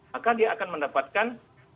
maka dia akan mendapatkan